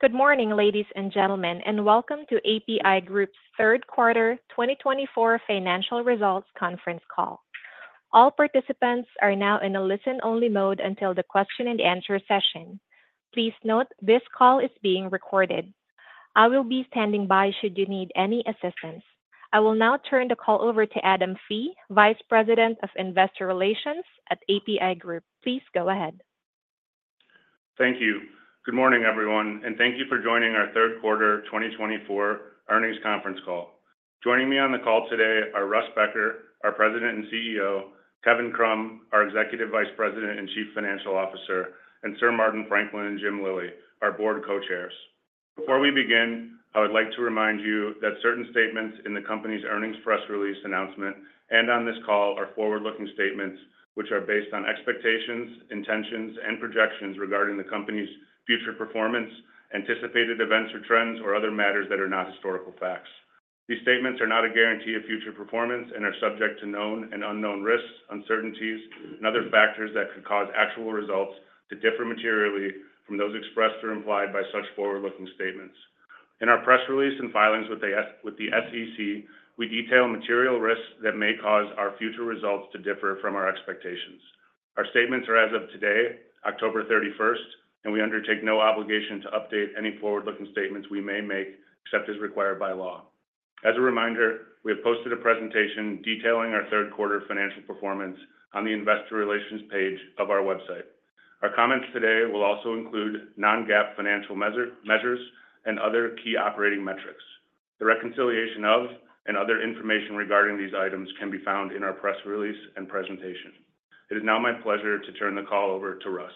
Good morning, ladies and gentlemen, and welcome to APi Group's Third Quarter 2024 Financial Results Conference Call. All participants are now in a listen-only mode until the question-and-answer session. Please note, this call is being recorded. I will be standing by should you need any assistance. I will now turn the call over to Adam Fee, Vice President of Investor Relations at APi Group. Please go ahead. Thank you. Good morning, everyone, and thank you for joining our Third Quarter 2024 Earnings Conference Call. Joining me on the call today are Russ Becker, our President and CEO, Kevin Krumm, our Executive Vice President and Chief Financial Officer, and Sir Martin Franklin and Jim Lillie, our Board Co-Chairs. Before we begin, I would like to remind you that certain statements in the company's earnings press release announcement and on this call are forward-looking statements, which are based on expectations, intentions, and projections regarding the company's future performance, anticipated events or trends, or other matters that are not historical facts. These statements are not a guarantee of future performance, and are subject to known and unknown risks, uncertainties, and other factors that could cause actual results to differ materially from those expressed or implied by such forward-looking statements. In our press release and filings with the SEC, we detail material risks that may cause our future results to differ from our expectations. Our statements are as of today, October 31st, and we undertake no obligation to update any forward-looking statements we may make except as required by law. As a reminder, we have posted a presentation detailing our third-quarter financial performance on the investor relations page of our website. Our comments today will also include non-GAAP financial measures and other key operating metrics. The reconciliation of and other information regarding these items can be found in our press release and presentation. It is now my pleasure to turn the call over to Russ.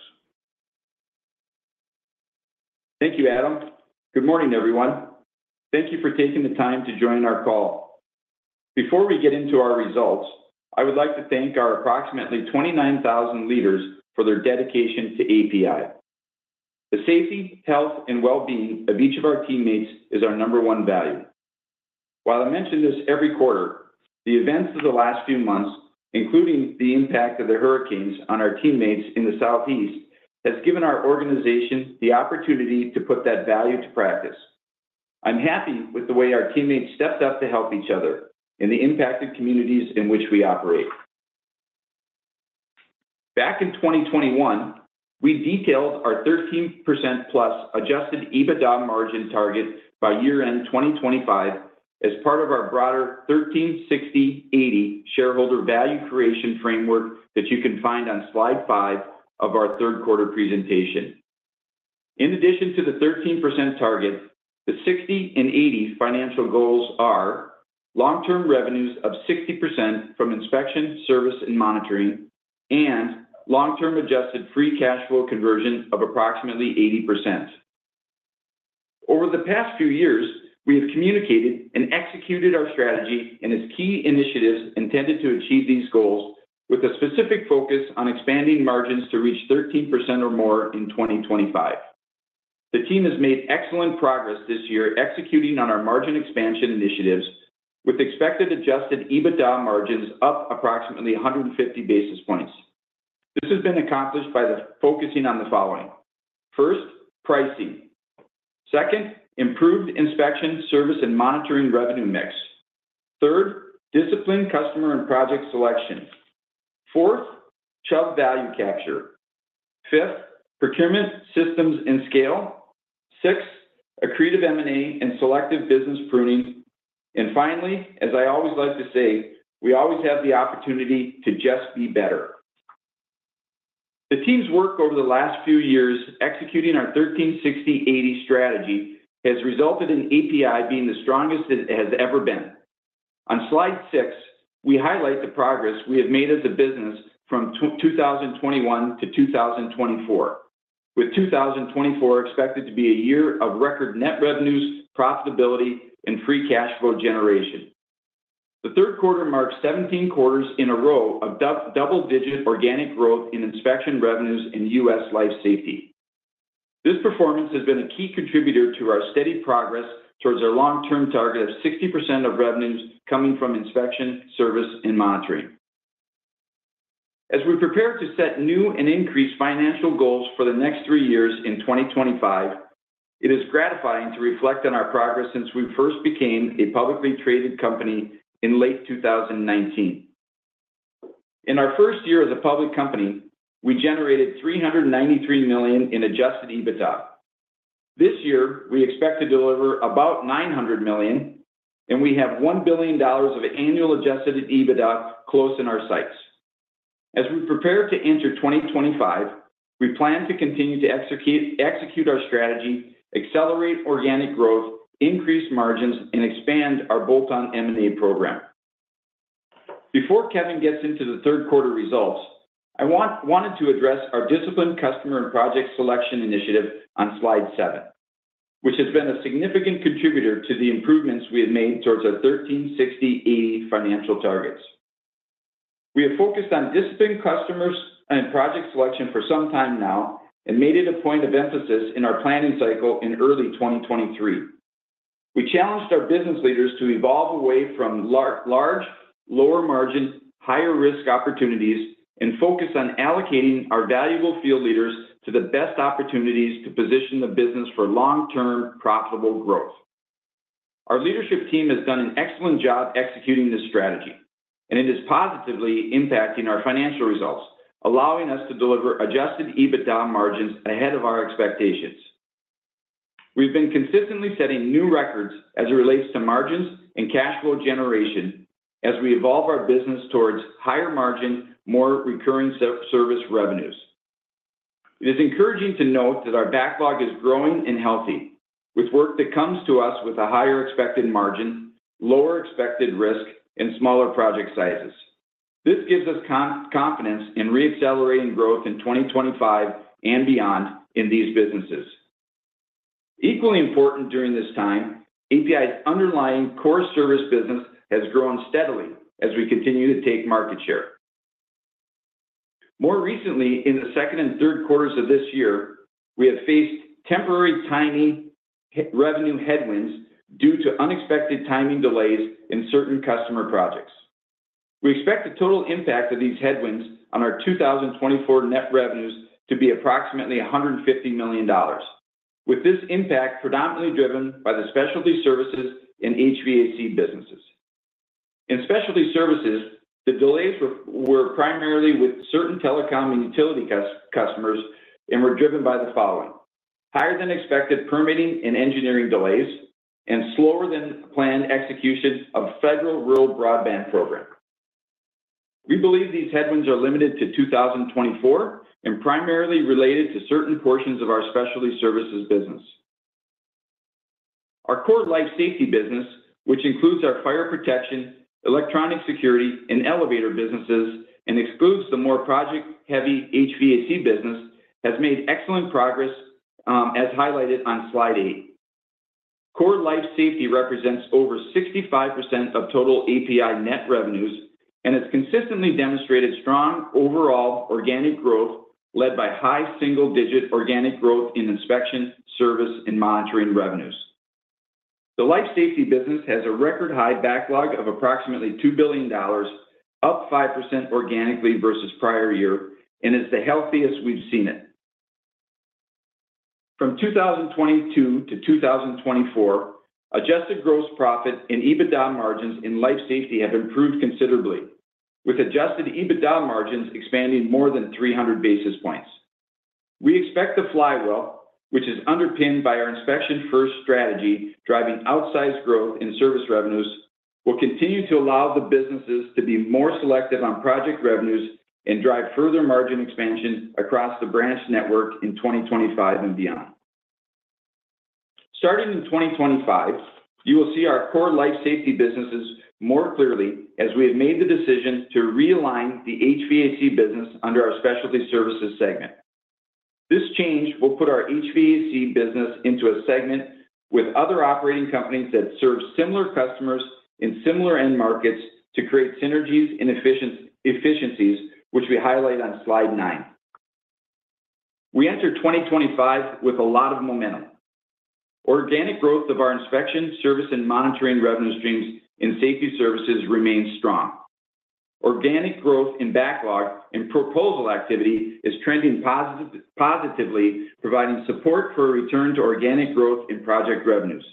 Thank you, Adam. Good morning, everyone. Thank you for taking the time to join our call. Before we get into our results, I would like to thank our approximately 29,000 leaders for their dedication to APi. The safety, health, and well-being of each of our teammates is our number one value. While I mention this every quarter, the events of the last few months, including the impact of the hurricanes on our teammates in the Southeast, have given our organization the opportunity to put that value to practice. I'm happy with the way our teammates stepped up to help each other in the impacted communities in which we operate. Back in 2021, we detailed our 13%+ adjusted EBITDA margin target by year-end 2025, as part of our broader 13/60/80 shareholder value creation framework that you can find on slide five of our third quarter presentation. In addition to the 13% target, the 60 and 80 financial goals are long-term revenues of 60% from inspection, service, and monitoring, and long-term adjusted free cash flow conversion of approximately 80%. Over the past few years, we have communicated and executed our strategy and its key initiatives intended to achieve these goals, with a specific focus on expanding margins to reach 13% or more in 2025. The team has made excellent progress this year executing on our margin expansion initiatives, with expected adjusted EBITDA margins up approximately 150 basis points. This has been accomplished by focusing on the following, first, pricing. Second, improved inspection, service, and monitoring revenue mix. Third, disciplined customer and project selection. Fourth, Chubb value capture. Fifth, procurement systems and scale, sixth, accretive M&A and selective business pruning. Finally, as I always like to say, we always have the opportunity to just be better. The team's work over the last few years, executing our 13/60/80 strategy has resulted in APi being the strongest it has ever been. On slide 6, we highlight the progress we have made as a business from 2021- 2024, with 2024 expected to be a year of record net revenues, profitability, and free cash flow generation. The third quarter marked 17 quarters in a row of double-digit organic growth in inspection revenues and U.S. life safety. This performance has been a key contributor to our steady progress towards our long-term target of 60% of revenues coming from inspection, service, and monitoring. As we prepare to set new and increased financial goals for the next three years in 2025, it is gratifying to reflect on our progress since we first became a publicly traded company in late 2019. In our first year as a public company, we generated $393 million in adjusted EBITDA. This year, we expect to deliver about $900 million, and we have $1 billion of annual adjusted EBITDA close in our sights. As we prepare to enter 2025, we plan to continue to execute our strategy, accelerate organic growth, increase margins, and expand our bolt-on M&A program. Before Kevin gets into the third quarter results, I wanted to address our disciplined customer and project selection initiative on slide 7, which has been a significant contributor to the improvements we have made towards our 13/60/80 financial targets. We have focused on disciplined customers and project selection for some time now,, and made it a point of emphasis in our planning cycle in early 2023. We challenged our business leaders to evolve away from large, lower-margin, higher-risk opportunities and focus on allocating our valuable field leaders to the best opportunities to position the business for long-term profitable growth. Our leadership team has done an excellent job executing this strategy, and it is positively impacting our financial results, allowing us to deliver adjusted EBITDA margins ahead of our expectations. We've been consistently setting new records as it relates to margins and cash flow generation, as we evolve our business towards higher margin, more recurring service revenues. It is encouraging to note that our backlog is growing and healthy, with work that comes to us with a higher expected margin, lower expected risk, and smaller project sizes. This gives us confidence in re-accelerating growth in 2025 and beyond in these businesses. Equally important during this time, APi's underlying core service business has grown steadily as we continue to take market share. More recently, in the second and third quarters of this year, we have faced temporary timing revenue headwinds due to unexpected timing delays in certain customer projects. We expect the total impact of these headwinds on our 2024 net revenues to be approximately $150 million, with this impact predominantly driven by the specialty services and HVAC businesses. In specialty services, the delays were primarily with certain telecom and utility customers, and were driven by the following, higher-than-expected permitting and engineering delays and slower-than-planned execution of federal rural broadband program. We believe these headwinds are limited to 2024, and primarily related to certain portions of our specialty services business. Our core life safety business, which includes our fire protection, electronic security, and elevator businesses, and excludes the more project-heavy HVAC business, has made excellent progress as highlighted on slide eight. Core life safety represents over 65% of total APi net revenues, and it's consistently demonstrated strong overall organic growth led by high single-digit organic growth in inspection, service, and monitoring revenues. The life safety business has a record-high backlog of approximately $2 billion, up 5% organically versus prior year, and is the healthiest we've seen it. From 2022-2024, adjusted gross profit and EBITDA margins in life safety have improved considerably, with adjusted EBITDA margins expanding more than 300 basis points. We expect the flywheel, which is underpinned by our inspection-first strategy, driving outsized growth in service revenues, will continue to allow the businesses to be more selective on project revenues and drive further margin expansion across the branch network in 2025 and beyond. Starting in 2025, you will see our core life safety businesses more clearly, as we have made the decision to realign the HVAC business under our specialty services segment. This change will put our HVAC business into a segment with other operating companies that serve similar customers in similar end markets, to create synergies and efficiencies which we highlight on slide nine. We enter 2025 with a lot of momentum. Organic growth of our inspection, service, and monitoring revenue streams in safety services remains strong. Organic growth in backlog and proposal activity is trending positively, providing support for a return to organic growth in project revenues.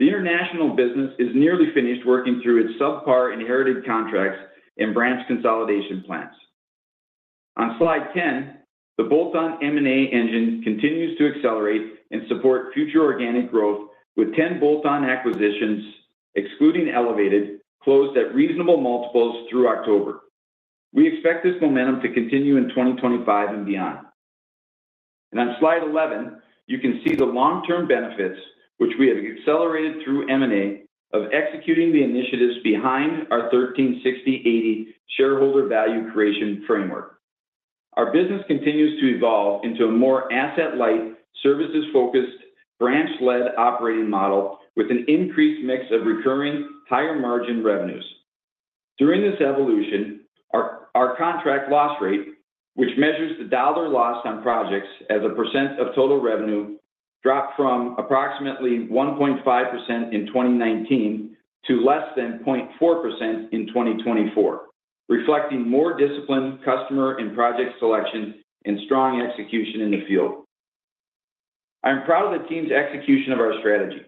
The international business has nearly finished working through its subpar inherited contracts and branch consolidation plans. On slide 10, the bolt-on M&A engine continues to accelerate and support future organic growth, with 10 bolt-on acquisitions, excluding Elevated, closed at reasonable multiples through October. We expect this momentum to continue in 2025 and beyond. On slide 11, you can see the long-term benefits, which we have accelerated through M&A, of executing the initiatives behind our 13/60/80 shareholder value creation framework. Our business continues to evolve into a more asset-light, services-focused, branch-led operating model, with an increased mix of recurring, higher-margin revenues. During this evolution, our contract loss rate, which measures the dollar loss on projects as a percent of total revenue, dropped from approximately 1.5% in 2019 to less than 0.4% in 2024, reflecting more disciplined customer and project selection and strong execution in the field. I am proud of the team's execution of our strategy.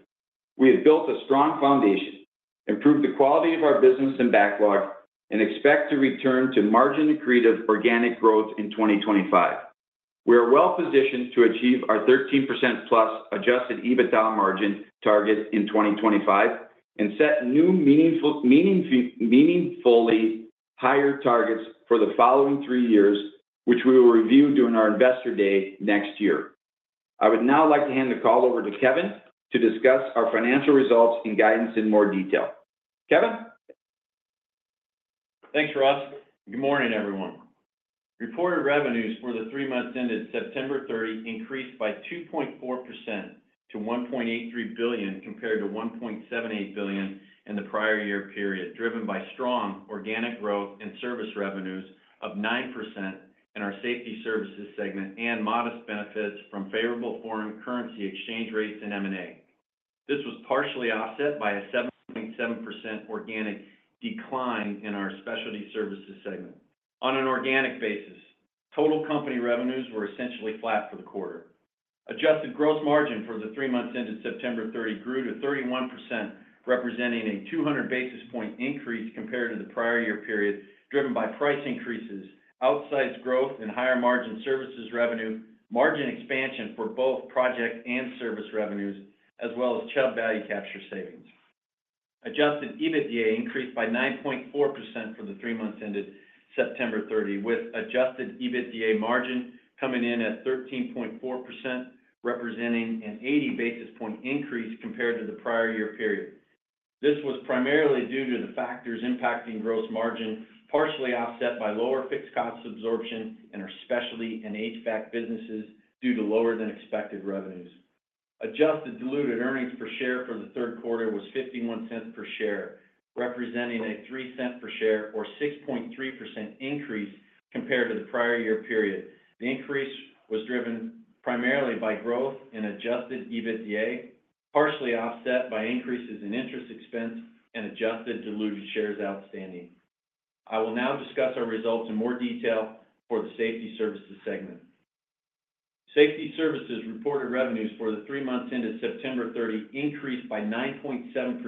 We have built a strong foundation, improved the quality of our business and backlog, and expect to return to margin-accretive organic growth in 2025. We are well-positioned to achieve our 13%+ adjusted EBITDA margin target in 2025, and set new meaningfully higher targets for the following three years, which we will review during our Investor Day next year. I would now like to hand the call over to Kevin to discuss our financial results and guidance in more detail. Kevin. Thanks, Russ. Good morning, everyone. Reported revenues for the three months ended September 30 increased by 2.4% to $1.83 billion compared to $1.78 billion in the prior year period, driven by strong organic growth and service revenues of 9% in our safety services segment and modest benefits from favorable foreign currency exchange rates and M&A. This was partially offset by a 7.7% organic decline in our specialty services segment. On an organic basis, total company revenues were essentially flat for the quarter. Adjusted gross margin for the three months ended September 30 grew to 31%, representing a 200 basis point increase compared to the prior year period, driven by price increases, outsized growth, and higher-margin services revenue, margin expansion for both project and service revenues, as well as shelf value capture savings. Adjusted EBITDA increased by 9.4% for the three months ended September 30, with adjusted EBITDA margin coming in at 13.4%, representing an 80 basis points increase compared to the prior year period. This was primarily due to the factors impacting gross margin, partially offset by lower fixed cost absorption in our specialty and HVAC businesses due to lower-than-expected revenues. Adjusted diluted earnings per share for the third quarter was $0.51 per share, representing a $.03 per share or 6.3% increase compared to the prior year period. The increase was driven primarily by growth in adjusted EBITDA, partially offset by increases in interest expense, and adjusted diluted shares outstanding. I will now discuss our results in more detail for the safety services segment. Safety services reported revenues for the three months ended September 30, increased by 9.7%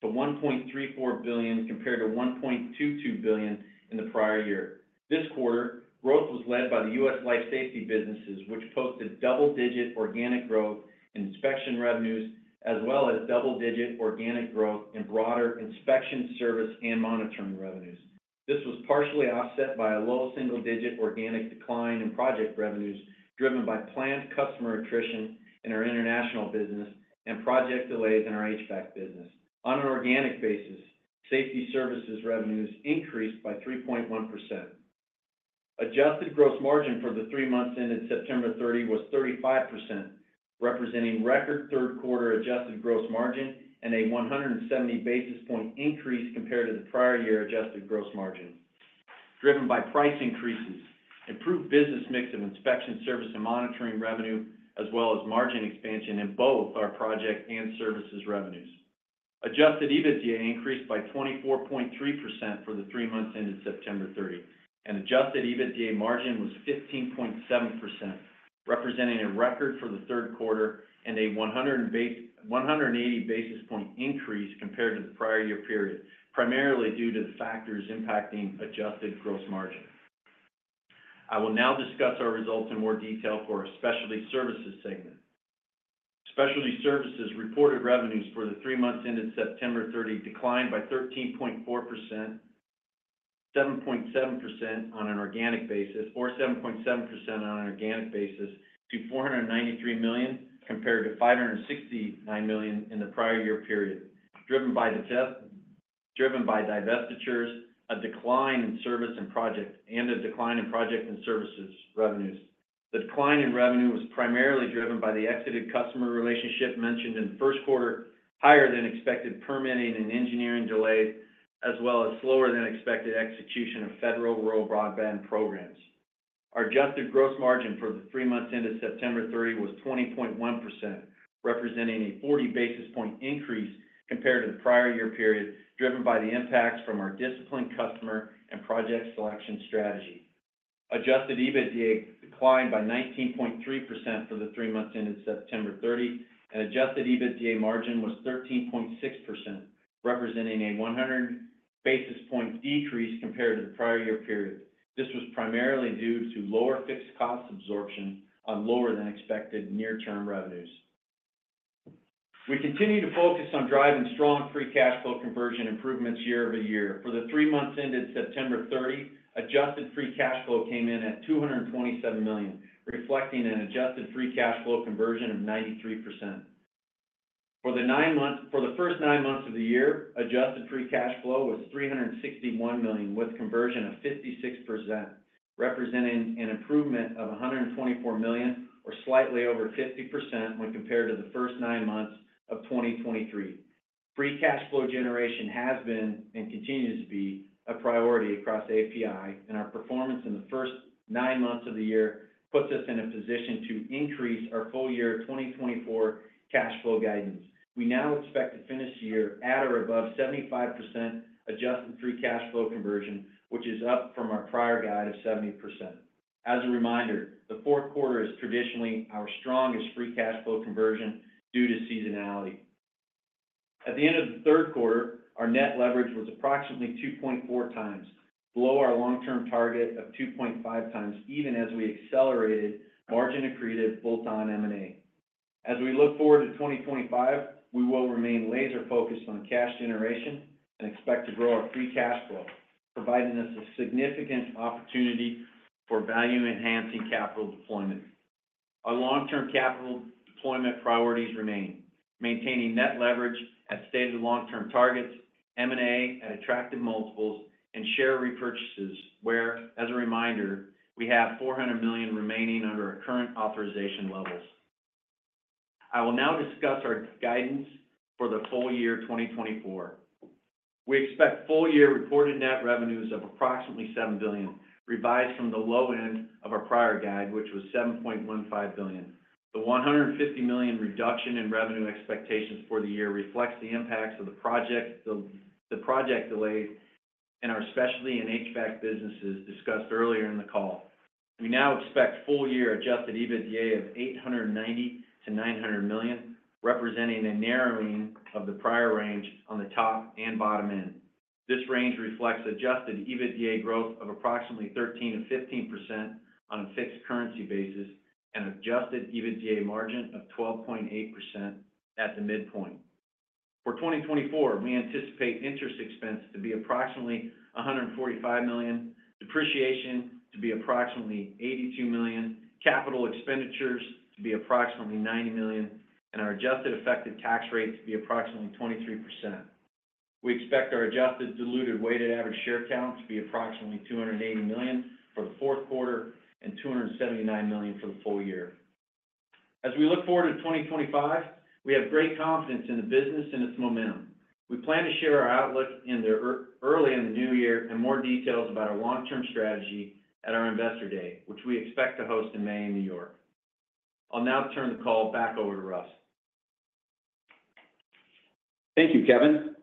to $1.34 billion compared to $1.22 billion in the prior year. This quarter, growth was led by the U.S. life safety businesses, which posted double-digit organic growth in inspection revenues, as well as double-digit organic growth in broader inspection service and monitoring revenues. This was partially offset by a low single-digit organic decline in project revenues, driven by planned customer attrition in our international business and project delays in our HVAC business. On an organic basis, safety services revenues increased by 3.1%. Adjusted gross margin for the three months ended September 30 was 35%, representing record third quarter adjusted gross margin and a 170 basis points increase compared to the prior year adjusted gross margin, driven by price increases, improved business mix of inspection service and monitoring revenue, as well as margin expansion in both our project and services revenues. Adjusted EBITDA increased by 24.3% for the three months ended September 30, and adjusted EBITDA margin was 15.7%, representing a record for the third quarter and a 180 basis point increase compared to the prior year period, primarily due to the factors impacting adjusted gross margin. I will now discuss our results in more detail for our specialty services segment. Specialty services reported revenues for the three months ended September 30 declined by 13.4%, 7.7% on an organic basis to $493 million compared to $569 million in the prior year period, driven by divestitures, a decline in service and project, and a decline in project and services revenues. The decline in revenue was primarily driven by the exited customer relationship mentioned in the first quarter, higher-than-expected permitting and engineering delays, as well as slower-than-expected execution of federal rural broadband programs. Our adjusted gross margin for the three months ended September 30 was 20.1%, representing a 40 basis point increase compared to the prior year period, driven by the impacts from our disciplined customer, and project selection strategy. Adjusted EBITDA declined by 19.3% for the three months ended September 30, and adjusted EBITDA margin was 13.6%, representing a 100 basis point decrease compared to the prior year period. This was primarily due to lower fixed cost absorption on lower-than-expected near-term revenues. We continue to focus on driving strong free cash flow conversion improvements year over year. For the three months ended September 30, adjusted free cash flow came in at $227 million, reflecting an adjusted free cash flow conversion of 93%. For the first nine months of the year, adjusted free cash flow was $361 million, with conversion of 56%, representing an improvement of $124 million, or slightly over 50% when compared to the first nine months of 2023. Free cash flow generation has been and continues to be a priority across APi, and our performance in the first nine months of the year puts us in a position to increase our full-year 2024 cash flow guidance. We now expect to finish the year at or above 75% adjusted free cash flow conversion, which is up from our prior guide of 70%. As a reminder, the fourth quarter is traditionally our strongest free cash flow conversion due to seasonality. At the end of the third quarter, our net leverage was approximately 2.4x, below our long-term target of 2.5x, even as we accelerated margin-accretive bolt-on M&A. As we look forward to 2025, we will remain laser-focused on cash generation and expect to grow our free cash flow, providing us a significant opportunity for value-enhancing capital deployment. Our long-term capital deployment priorities remain, maintaining net leverage at stated long-term targets, M&A at attractive multiples, and share repurchases, where as a reminder, we have $400 million remaining under our current authorization levels. I will now discuss our guidance for the full year 2024. We expect full-year reported net revenues of approximately $7 billion, revised from the low end of our prior guide, which was $7.15 billion. The $150 million reduction in revenue expectations for the year reflects the impacts of the project delays in our specialty and HVAC businesses discussed earlier in the call. We now expect full-year adjusted EBITDA of $890 million-$900 million, representing a narrowing of the prior range on the top and bottom end. This range reflects adjusted EBITDA growth of approximately 13%-15% on a fixed currency basis, and adjusted EBITDA margin of 12.8% at the midpoint. For 2024, we anticipate interest expense to be approximately $145 million, depreciation to be approximately $82 million, capital expenditures to be approximately $90 million and our adjusted effective tax rate to be approximately 23%. We expect our adjusted diluted weighted average share count to be approximately 280 million for the fourth quarter, and 279 million for the full year. As we look forward to 2025, we have great confidence in the business and its momentum. We plan to share our outlook early in the new year and more details about our long-term strategy at our Investor Day, which we expect to host in May in New York. I'll now turn the call back over to Russ. Thank you, Kevin.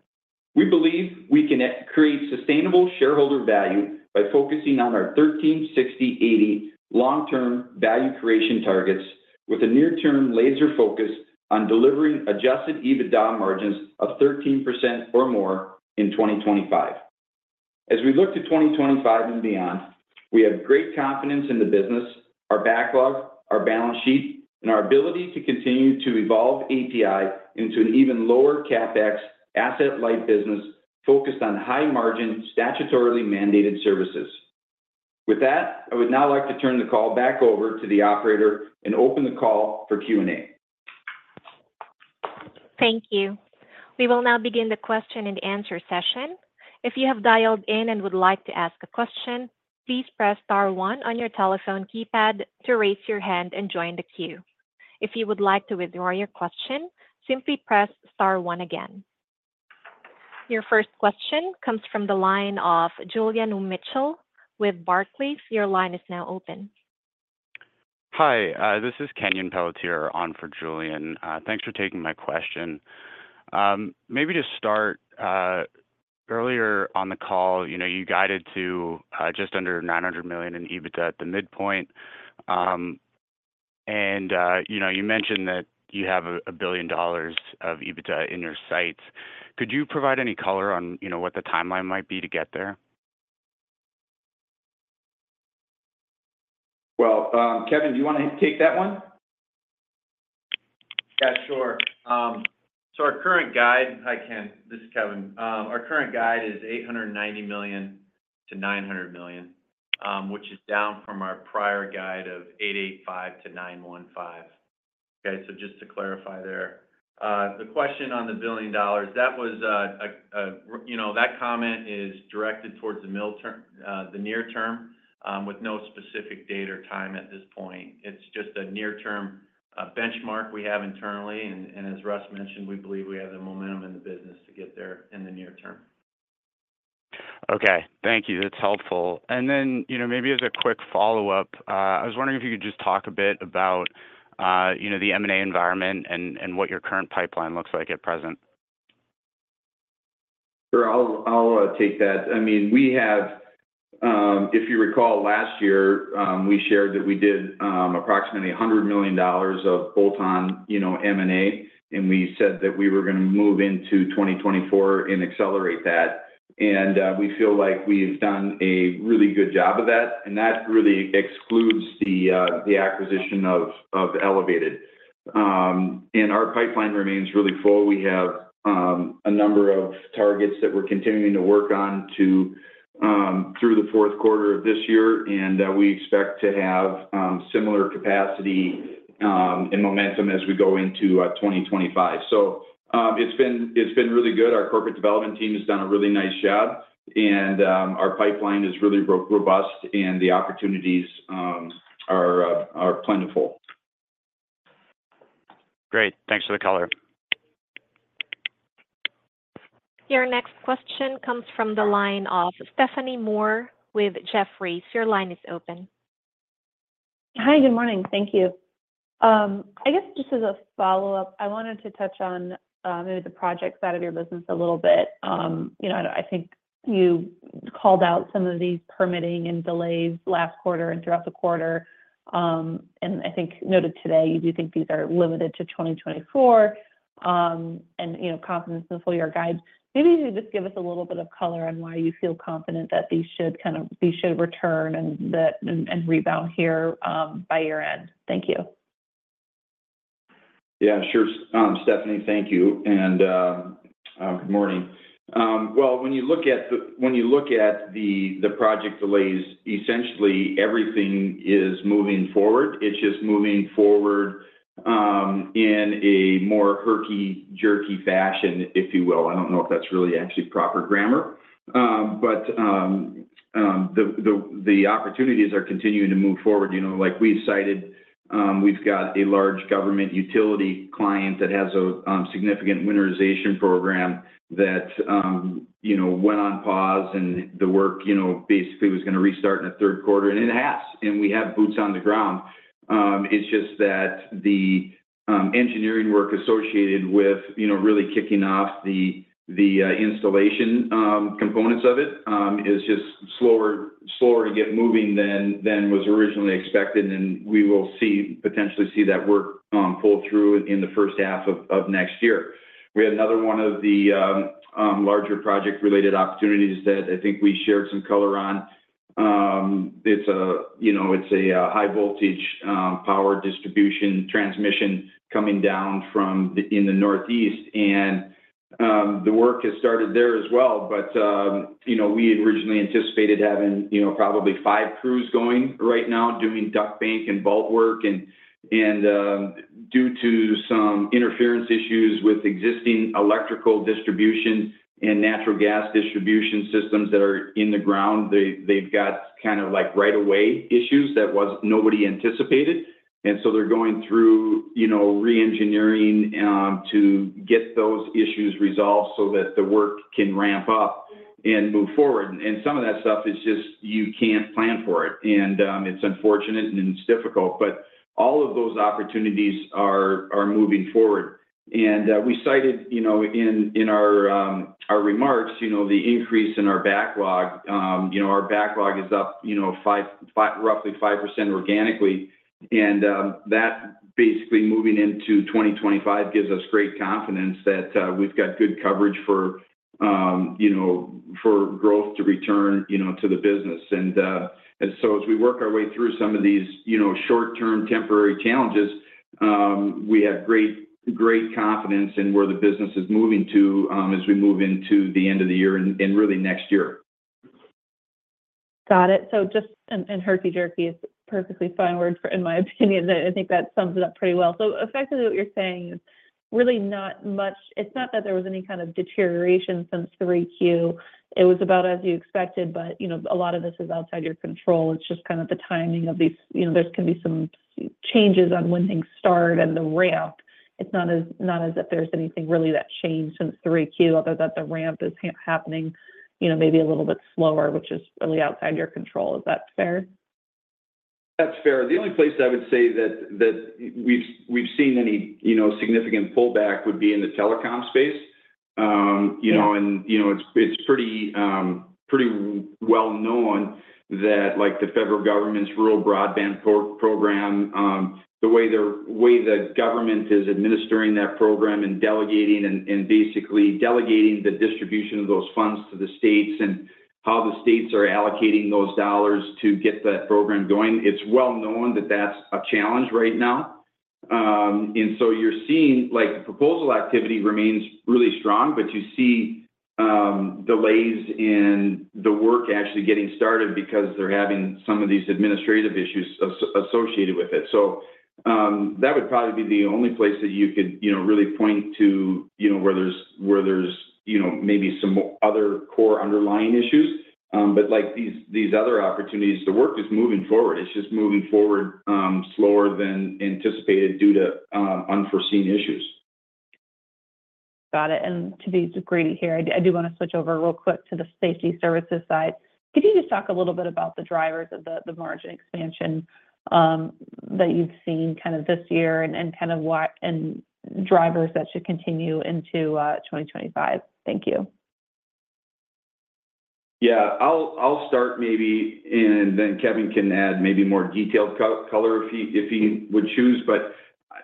We believe we can create sustainable shareholder value by focusing on our 13/60/80 long-term value creation targets, with a near-term laser focus on delivering adjusted EBITDA margins of 13% or more in 2025. As we look to 2025 and beyond, we have great confidence in the business, our backlog, our balance sheet, and our ability to continue to evolve APi into an even lower CapEx asset-light business focused on high-margin, statutorily mandated services. With that, I would now like to turn the call back over to the operator and open the call for Q&A. Thank you. We will now begin the question-and-answer session. If you have dialed in and would like to ask a question, please press star, one on your telephone keypad to raise your hand and join the queue. If you would like to withdraw your question, simply press star one again. Your first question comes from the line of Julian Mitchell with Barclays. Your line is now open. Hi, this is Kenyon Pelletier on for Julian. Thanks for taking my question. Maybe to start, earlier on the call, you guided to just under $900 million in EBITDA at the midpoint. You mentioned that you have $1 billion EBITDA in your sights. Could you provide any color on what the timeline might be to get there? Kevin, do you want to take that one? Yeah, sure. Hi, Ken. This is Kevin. Our current guide is $890 million-$900 million, which is down from our prior guide of $885 million-$915 million. Okay, so just to clarify there. The question on the billion dollars, that comment is directed towards the near term, with no specific date or time at this point. It's just a near-term benchmark we have internally. As Russ mentioned, we believe we have the momentum in the business to get there in the near term. Okay, thank you. That's helpful. Then maybe as a quick follow-up, I was wondering if you could just talk a bit about the M&A environment and what your current pipeline looks like at present? Sure, I'll take that. I mean, if you recall, last year, we shared that we did approximately $100 million of bolt-on M&A, and we said that we were going to move into 2024 and accelerate that. We feel like we've done a really good job of that, and that really excludes the acquisition of Elevated. Our pipeline remains really full. We have a number of targets that we're continuing to work on through the fourth quarter of this year, and we expect to have similar capacity and momentum as we go into 2025. It's been really good. Our corporate development team has done a really nice job, and our pipeline is really robust and the opportunities are plentiful. Great. Thanks for the color. Your next question comes from the line of Stephanie Moore with Jefferies. Your line is open. Hi, good morning. Thank you. I guess just as a follow-up, I wanted to touch on maybe the projects out of your business a little bit. I think you called out some of these permitting and delays last quarter, and throughout the quarter. I think you noted today, you do think these are limited to 2024and confidence in the full year guide. Maybe you could just give us a little bit of color on why you feel confident that these should return, and rebound here by year-end. Thank you. Yeah, sure. Stephanie, thank you. Good morning. Well, when you look at the project delays, essentially everything is moving forward. It's just moving forward in a more herky-jerky fashion, if you will. I don't know if that's really actually proper grammar, but the opportunities are continuing to move forward. Like we've cited, we've got a large government utility client that has a significant winterization program that went on pause, and the work basically was going to restart in the third quarter. It has, and we have boots on the ground. It's just that the engineering work associated with really kicking off the installation components of it is just slower to get moving than was originally expected. We will potentially see that work pull through in the first half of next year. We had another one of the larger project-related opportunities that I think we shared some color on. It's a high-voltage power distribution transmission coming down in the Northeast. The work has started there as well, but we had originally anticipated having probably five crews going right now, doing duct bank and bolt work. Due to some interference issues with existing electrical distribution and natural gas distribution systems that are in the ground, they've got kind of like right-of-way issues that nobody anticipated. They're going through re-engineering to get those issues resolved, so that the work can ramp up and move forward. Some of that stuff is just, you can't plan for it, and it's unfortunate and it's difficult. All of those opportunities are moving forward, and we cited in our remarks the increase in our backlog. Our backlog is up roughly 5% organically. That basically, moving into 2025, gives us great confidence that we've got good coverage for growth to return to the business. As we work our way through some of these short-term temporary challenges, we have great confidence in where the business is moving to as we move into the end of the year and really next year. Got it. Just herky-jerky is perfectly fine words in my opinion. I think that sums it up pretty well. Effectively, what you're saying is really, it's not that there was any kind of deterioration since the Q3. It was about as you expected, but a lot of this is outside your control. It's just kind of the timing of these, there's going to be some changes on when things start and the ramp. It's not as if there's anything really that changed since Q3, other than the ramp is happening maybe a little bit slower, which is really outside your control. Is that fair? That's fair. The only place I would say that we've seen any significant pullback would be in the telecom space. ,It's pretty well-known that the federal government's rural broadband program, the way the government is administering that program and delegating and basically delegating the distribution of those funds to the states and how the states are allocating those dollars to get that program going, it's well-known that that's a challenge right now. You're seeing the proposal activity remains really strong, but you see delays in the work actually getting started because they're having some of these administrative issues associated with it. That would probably be the only place that you could really point to, where there's maybe some other core underlying issues. These other opportunities, the work is moving forward. It's just moving forward slower than anticipated due to unforeseen issues. Got it. Just to segue here, I do want to switch over real quick to the safety services side. Could you just talk a little bit about the drivers of the margin expansion that you've seen kind of this year, and kind of drivers that should continue into 2025? Thank you. Yeah. I'll start maybe, and then Kevin can add maybe more detailed color, if he would choose.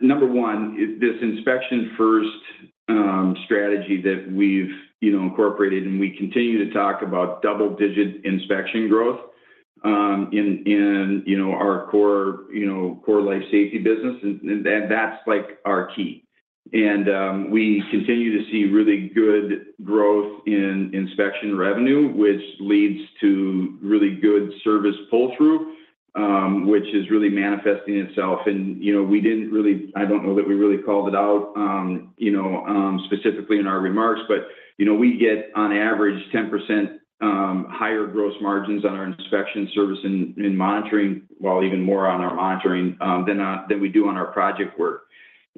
Number one, this inspection-first strategy that we've incorporated, and we continue to talk about double-digit inspection growth in our core life safety business. That's our key. We continue to see really good growth in inspection revenue, which leads to really good service pull-through, which is really manifesting itself. I don't know that we really called it out specifically in our remarks, but we get on average, 10% higher gross margins on our inspection service and monitoring, even more on our monitoring than we do on our project work.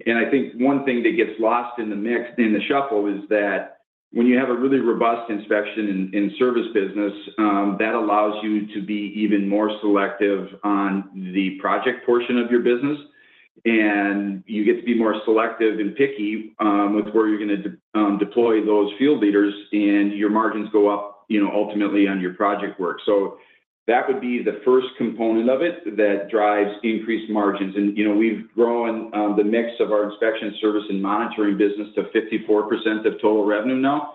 I think one thing that gets lost in the shuffle is that, when you have a really robust inspection and service business, that allows you to be even more selective on the project portion of your business. You get to be more selective and picky with where you're going to deploy those field leaders, and your margins go up ultimately on your project work. That would be the first component of it that drives increased margins. We've grown the mix of our inspection service and monitoring business to 54% of total revenue now,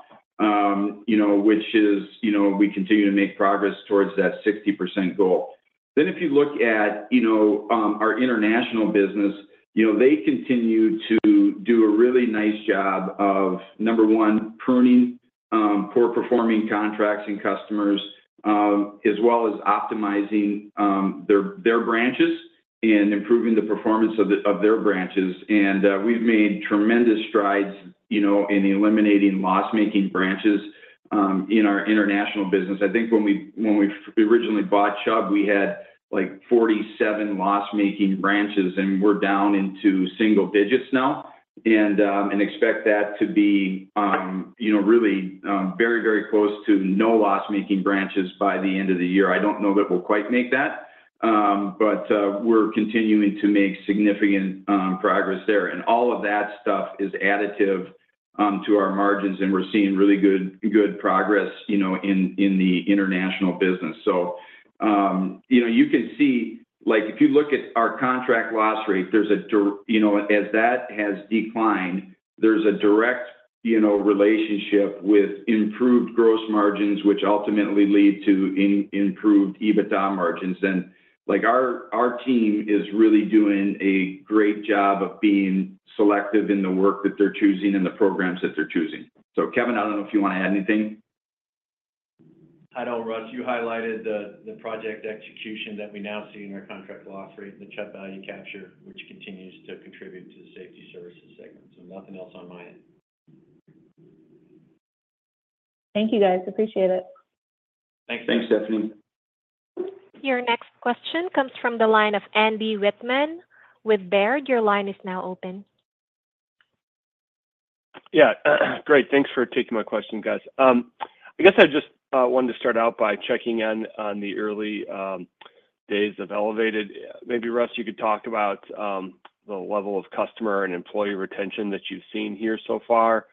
which is, we continue to make progress towards that 60% goal. Then if you look at our international business, they continue to do a really nice job of, number one, pruning poor-performing contracts and customers, as well as optimizing their branches and improving the performance of their branches. We've made tremendous strides in eliminating loss-making branches in our international business. I think when we originally bought Chubb, we had like 47 loss-making branches, and we're down into single digits now and expect that to be really very, very close to no loss-making branches by the end of the year. I don't know that we'll quite make that, but we're continuing to make significant progress there. All of that stuff is additive to our margins, and we're seeing really good progress in the international business. You can see, if you look at our contract loss rate, as that has declined, there's a direct relationship with improved gross margins, which ultimately lead to improved EBITDA margins. Our team is really doing a great job of being selective in the work that they're choosing, and the programs that they're choosing. Kevin, I don't know if you want to add anything. I know, Russ. You highlighted the project execution that we now see in our contract loss rate and the Chubb value capture, which continues to contribute to the safety services segment. Nothing else on my end. Thank you, guys. Appreciate it. Thanks, Stephanie. Your next question comes from the line of Andy Whitman with Baird. Your line is now open. Yeah, great. Thanks for taking my question, guys. I guess I just wanted to start out by checking in on the early days of Elevated. Maybe Russ, you could talk about the level of customer and employee retention that you've seen here so far.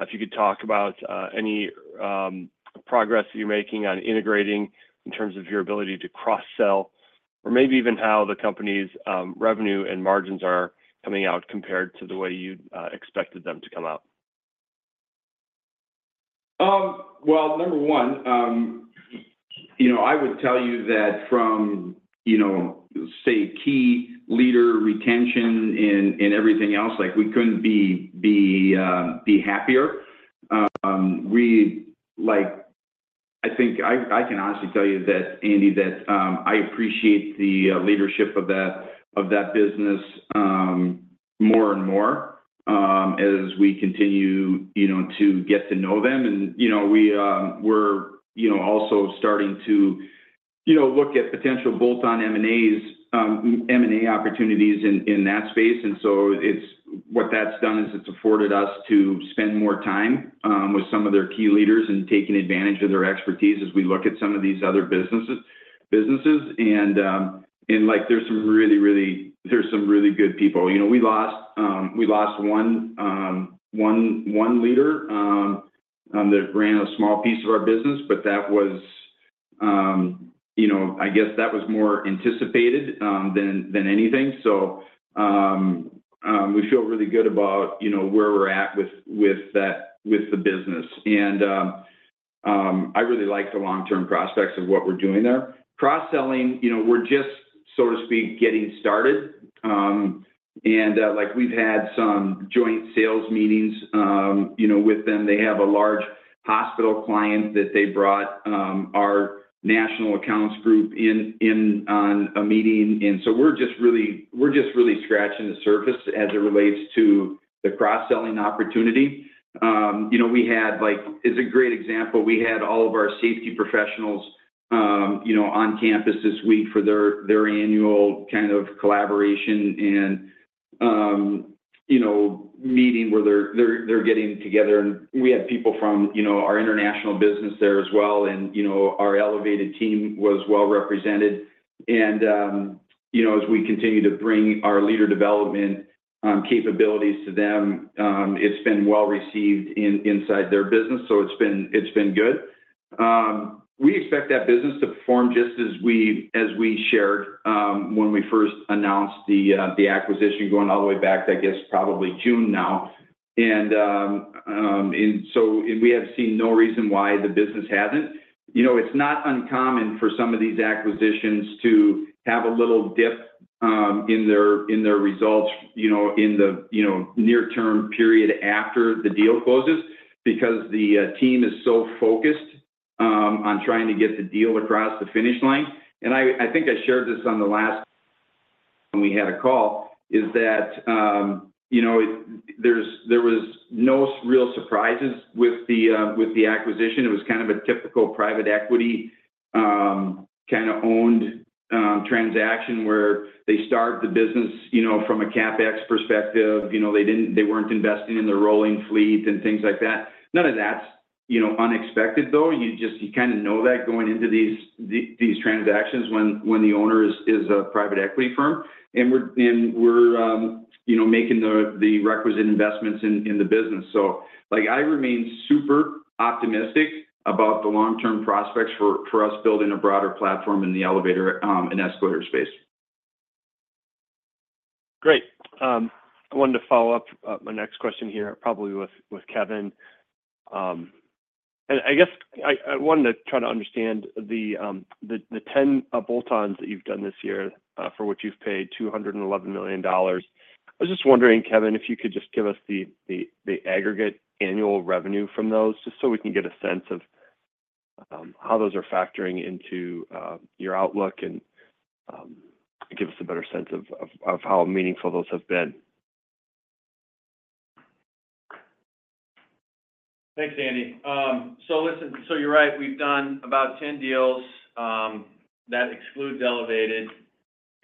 If you could talk about any progress you're making on integrating in terms of your ability to cross-sell, or maybe even how the company's revenue and margins are coming out compared to the way you expected them to come out. Number one, I would tell you that from say, key leader retention and everything else, we couldn't be happier. I think I can honestly tell you, Andy, that I appreciate the leadership of that business more and more as we continue to get to know them. We're also starting to look at potential bolt-on M&A opportunities in that space. What that's done is it's afforded us to spend more time with some of their key leaders, and taking advantage of their expertise as we look at some of these other businesses. There's some really good people. We lost one leader that ran a small piece of our business, but that was more anticipated than anything. We feel really good about where we're at with the business. I really like the long-term prospects of what we're doing there. Cross-selling, we're just, so to speak, getting started. We've had some joint sales meetings with them. They have a large hospital client that they brought our national accounts group in on a meeting. We're just really scratching the surface as it relates to the cross-selling opportunity. As a great example, we had all of our safety professionals on campus this week for their annual kind of collaboration and meeting where they're getting together. We had people from our international business there as well, and our Elevated team was well-represented. As we continue to bring our leader development capabilities to them, it's been well-received inside their business, so it's been good. We expect that business to perform just as we shared when we first announced the acquisition going all the way back probably June now. We have seen no reason why the business hasn't. It's not uncommon for some of these acquisitions to have a little dip in their results in the near-term period after the deal closes, because the team is so focused on trying to get the deal across the finish line. I think I shared this on the last time we had a call, is that there was no real surprises with the acquisition. It was kind of a typical private equity kind of owned transaction, where they start the business from a CapEx perspective. They weren't investing in the rolling fleet and things like that. None of that's unexpected, though. You kind of know that going into these transactions when the owner is a private equity firm, and we're making the requisite investments in the business. I remain super optimistic about the long-term prospects for us building a broader platform in the elevator and escalator space. Great. I wanted to follow up my next question here, probably with Kevin. I wanted to try to understand the 10 bolt-ons that you've done this year for which you've paid $211 million. I was just wondering, Kevin, if you could just give us the aggregate annual revenue from those, just so we can get a sense of how those are factoring into your outlook and give us a better sense of how meaningful those have been. Thanks, Andy. Listen, so you're right. We've done about 10 deals. That excludes Elevated.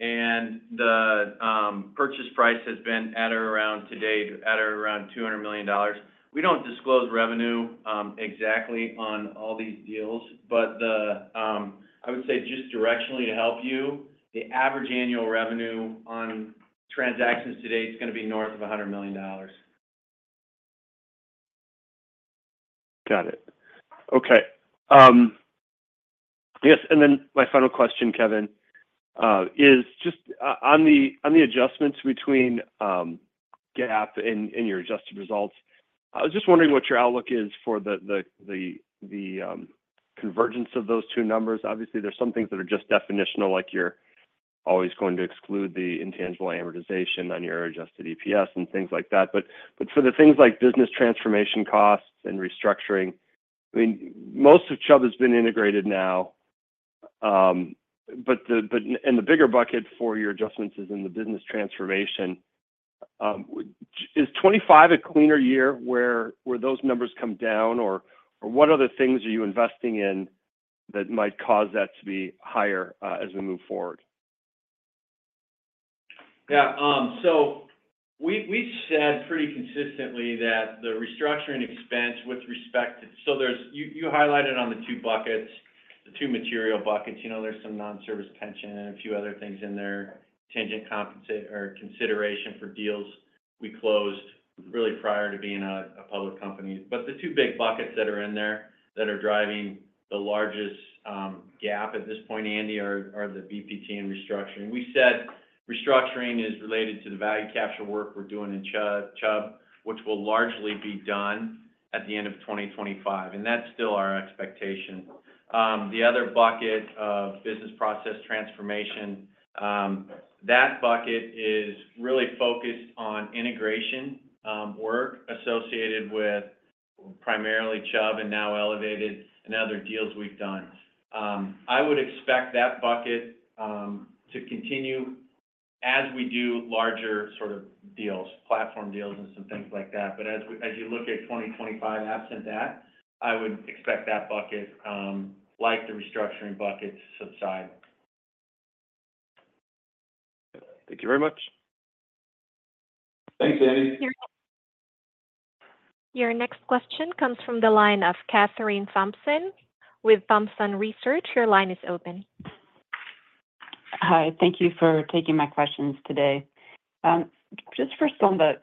The purchase price has been at or around today, at or around $200 million. We don't disclose revenue exactly on all these deals, but I would say just directionally to help you, the average annual revenue on transactions today is going to be north of $100 million. Got it. Okay, yes. Then my final question, Kevin, is just on the adjustments between GAAP and your adjusted results. I was just wondering what your outlook is for the convergence of those two numbers. Obviously, there are some things that are just definitional, like you're always going to exclude the intangible amortization on your adjusted EPS and things like that. For the things like business transformation costs and restructuring, I mean, most of Chubb has been integrated now, but in the bigger bucket for your adjustments in the business transformation, is 2025 a cleaner year where those numbers come down, or what other things are you investing in that might cause that to be higher as we move forward? Yeah, so we've said pretty consistently that the restructuring expense with respect to, so you highlighted on the two buckets, the two material buckets, there's some non-service pension, and a few other things in there, [transaction] compensation or consideration for deals we closed really prior to being a public company, but the two big buckets that are in there that are driving the largest gap at this point, Andy, are the BPT and restructuring. We said restructuring is related to the value capture work we're doing in Chubb, which will largely be done at the end of 2025, and that's still our expectation. The other bucket of business process transformation, that bucket is really focused on integration work associated with primarily Chubb and now Elevated, and other deals we've done. I would expect that bucket to continue as we do larger sort of deals, platform deals, and some things like that. As you look at 2025, absent that, I would expect that bucket, like the restructuring bucket, to subside. Yeah. Thank you very much. Thanks, Andy. Your next question comes from the line of Kathryn Thompson with Thompson Research. Your line is open. Hi. Thank you for taking my questions today. Just for,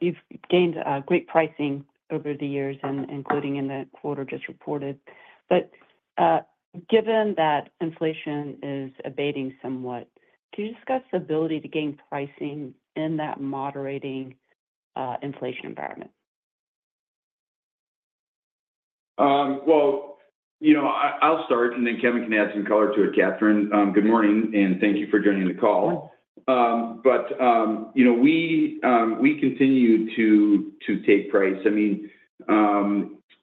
you've gained great pricing over the years, including in the quarter just reported. Given that inflation is abating somewhat, can you discuss the ability to gain pricing in that moderating inflation environment? I'll start, and then Kevin can add some color to it. Kathryn, good morning, and thank you for joining the call, but we continue to take price. I mean,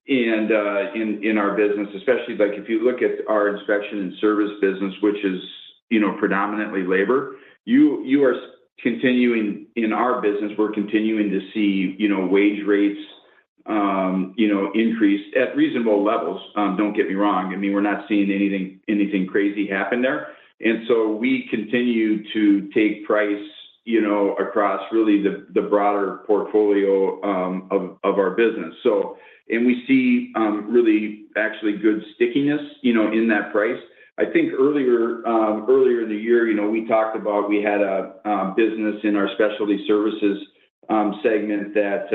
in our business, especially if you look at our inspection and service business, which is predominantly labor, in our business, we're continuing to see wage rates increase at reasonable levels. Don't get me wrong. I mean, we're not seeing anything crazy happen there, and so we continue to take price across really the broader portfolio of our business. We see really actually good stickiness in that price. I think earlier in the year, we talked about, we had a business in our specialty services segment that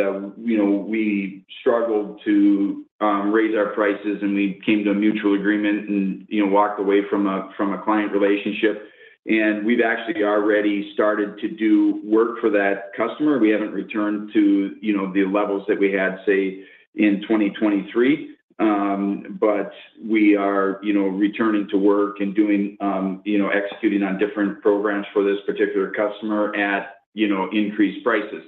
we struggled to raise our prices, and we came to a mutual agreement and walked away from a client relationship. We've actually already started to do work for that customer. We haven't returned to the levels that we had say, in 2023, but we are returning to work and executing on different programs for this particular customer at increased prices.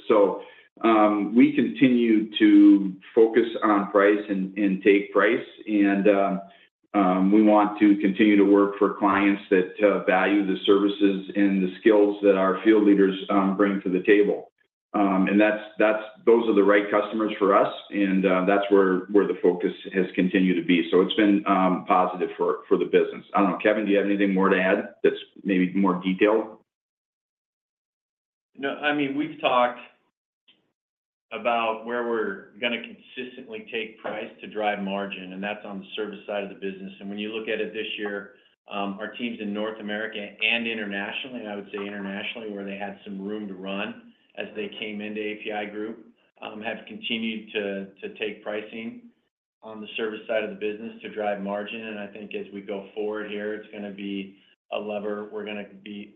We continue to focus on price and take price, and we want to continue to work for clients that value the services and the skills that our field leaders bring to the table. Those are the right customers for us, and that's where the focus has continued to be. It's been positive for the business. I don't know. Kevin, do you have anything more to add that's maybe more detailed? No. I mean, we've talked about where we're going to consistently take price to drive margin, and that's on the service side of the business. When you look at it this year, our teams in North America and internationally, and I would say internationally, where they had some room to run as they came into APi Group, have continued to take pricing on the service side of the business to drive margin. I think as we go forward here, it's going to be a lever we're going to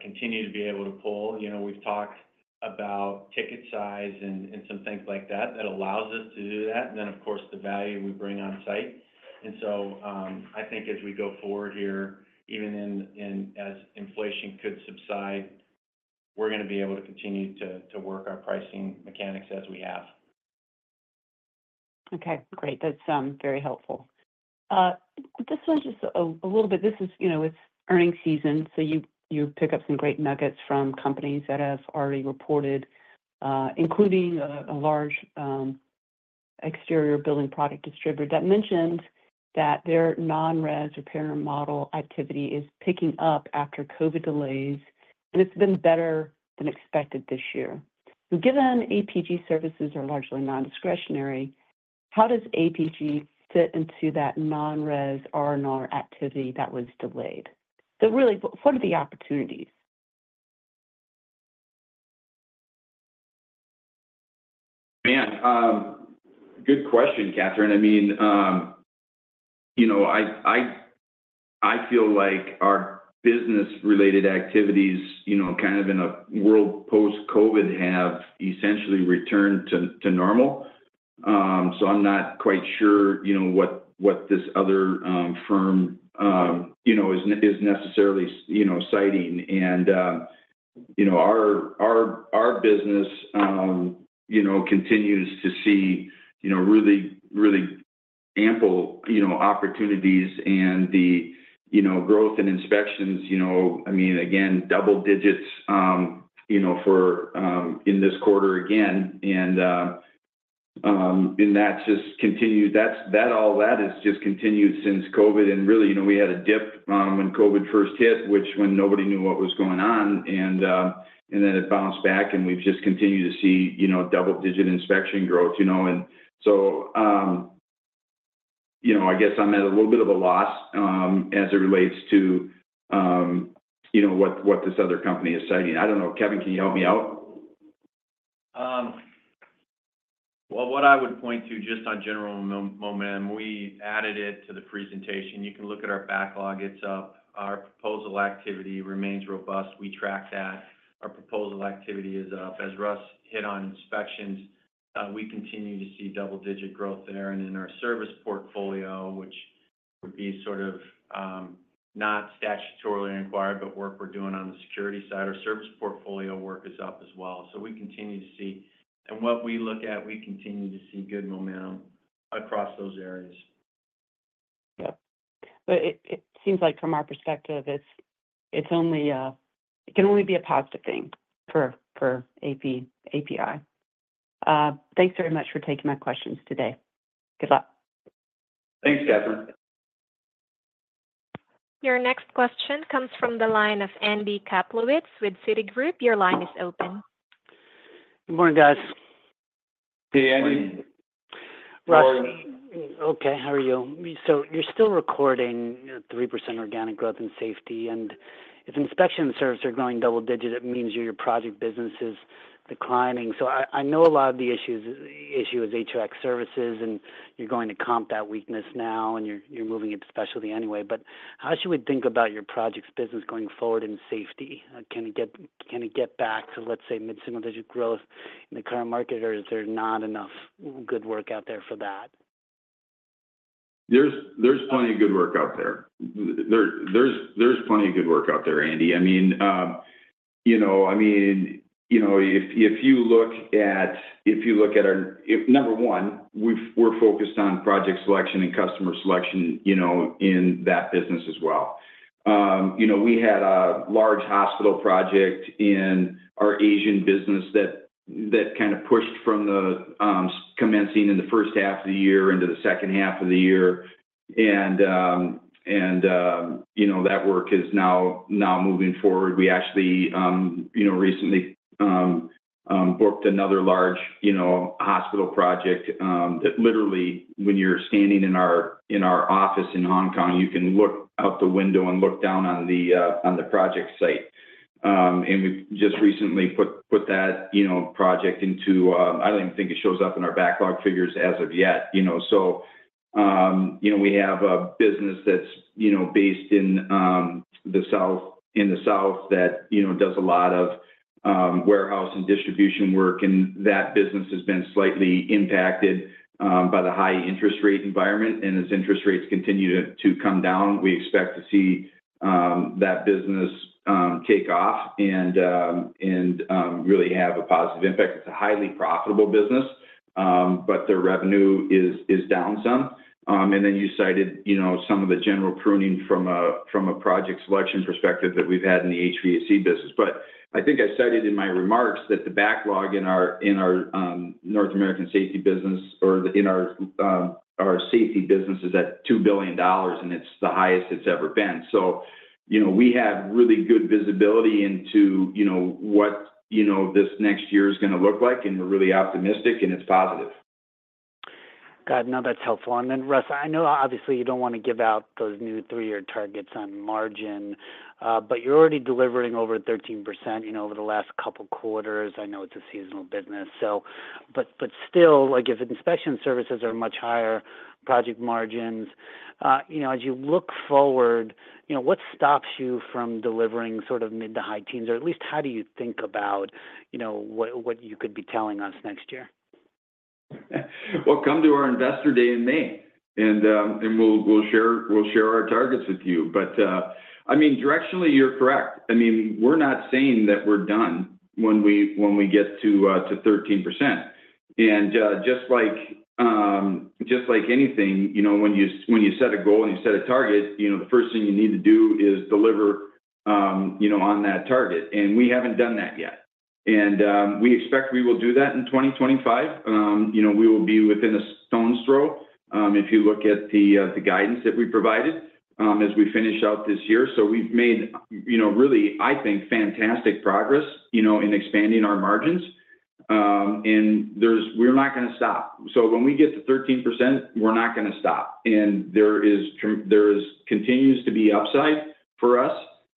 continue to be able to pull. We've talked about ticket size and some things like that, that allows us to do that. Then of course, the value we bring on site. I think as we go forward here, even as inflation could subside, we're going to be able to continue to work our pricing mechanics as we have. Okay, great. That's very helpful. This is earnings season, so you pick up some great nuggets from companies that have already reported, including a large exterior building product distributor that mentioned that their non-res repair and remodel activity is picking up after COVID delays, and it's been better than expected this year. Given APG services are largely non-discretionary, how does APG fit into that non-res R&R activity that was delayed? Really, what are the opportunities? Man, good question, Kathryn. I mean, I feel like our business-related activities kind of in a world post-COVID have essentially returned to normal, so I'm not quite sure what this other firm is necessarily citing. Our business continues to see really ample opportunities and the growth in inspections. I mean, again, double digits in this quarter again, and all that has just continued since COVID. Really, we had a dip when COVID first hit, wwhen nobody knew what was going on and then it bounced back. We've just continued to see double-digit inspection growth, and so I guess I'm at a little bit of a loss as it relates to what this other company is citing. I don't know. Kevin, can you help me out? What I would point to just on general momentum, we added it to the presentation. You can look at our backlog. It's up. Our proposal activity remains robust. We track that. Our proposal activity is up. As Russ hit on inspections, we continue to see double-digit growth there. In our service portfolio, which would be sort of not statutorily required, but work we're doing on the security side, our service portfolio work is up as well. What we look at, we continue to see good momentum across those areas. Yeah, but it seems like from our perspective, it can only be a positive thing for APi. Thanks very much for taking my questions today. Good luck. Thanks, Kathryn. Your next question comes from the line of Andy Kaplowitz with Citigroup. Your line is open. Good morning, guys. Hey, Andy. Morning. Okay, how are you? You're still recording 3% organic growth in safety. If inspection and service are going double-digit, it means your project business is declining. I know a lot of the issue is HVAC services, and you're going to comp that weakness now and you're moving into specialty anyway. How should we think about your project's business going forward in safety? Can it get back to let's say, mid-single-digit growth in the current market or is there not enough good work out there for that? There's plenty of good work out there, Andy. I mean, number one, we're focused on project selection, and customer selection in that business as well. We had a large hospital project in our Asian business that kind of pushed from the commencing in the first half of the year into the second half of the year, and that work is now moving forward. We actually recently booked another large hospital project that literally, when you're standing in our office in Hong Kong, you can look out the window and look down on the project site. We just recently put that project into, I don't even think it shows up in our backlog figures as of yet, so we have a business that's based in the South that does a lot of warehouse and distribution work. That business has been slightly impacted by the high interest rate environment. As interest rates continue to come down, we expect to see that business take off and really have a positive impact. It's a highly profitable business, but their revenue is down some. Then you cited some of the general pruning from a project selection perspective that we've had in the HVAC business. I think I cited in my remarks that the backlog in our North American safety business or in our safety business is at $2 billion, and it's the highest it's ever been. We have really good visibility into what this next year is going to look like, and we're really optimistic and it's positive. Got it. No, that's helpful. Then, Russ, I know obviously you don't want to give out those new three-year targets on margin, but you're already delivering over 13% over the last couple of quarters. I know it's a seasonal business, but still, if inspection services are much higher, project margins, as you look forward, what stops you from delivering sort of mid to high teens or at least how do you think about what you could be telling us next year? Come to our Investor Day in May, and we'll share our targets with you. I mean, directionally, you're correct. I mean, we're not saying that we're done when we get to 13%. Just like anything, when you set a goal and you set a target, the first thing you need to do is deliver on that target. We haven't done that yet. We expect we will do that in 2025. We will be within a stone's throw if you look at the guidance that we provided as we finish out this year. We've made really, I think fantastic progress in expanding our margins. We're not going to stop. When we get to 13%, we're not going to stop. There continues to be upside for us,